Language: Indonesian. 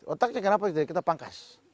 otaknya kenapa kita pangkas